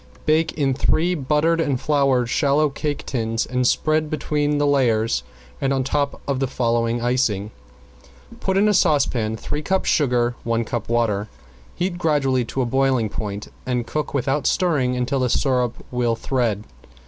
Bake in three buttered and floured shallow cake tins, and spread between the layers and on top the following icing: Put in a saucepan three cups sugar, one cup water. Heat gradually to the boiling point, and cook without stirring until the syrup will thread.